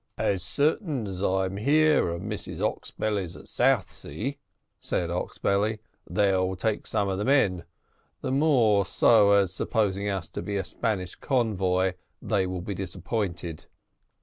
"As certainly as I'm here, and Mrs Oxbelly's at Southsea," said Oxbelly, "they'll take some of the men the more so as, supposing us to be a Spanish convoy, they will be disappointed."